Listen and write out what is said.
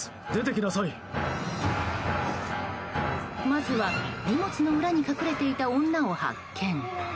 まずは荷物の裏に隠れていた女を発見。